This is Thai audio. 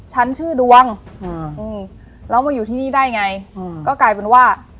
ฉันชื่อดวงอืมแล้วมาอยู่ที่นี่ได้ไงอืมก็กลายเป็นว่า